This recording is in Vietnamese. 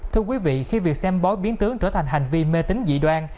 thưa quý vị khi việc xem bói biến tướng trở thành hành vi mê tính dị đoan